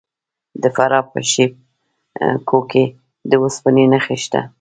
د فراه په شیب کوه کې د وسپنې نښې شته.